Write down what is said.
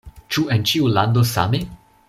Ĉu en ĉiu lando same?